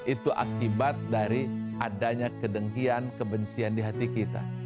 itu akibat dari adanya kedengkian kebencian di hati kita